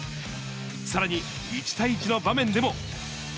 さらに１対１の場面でも。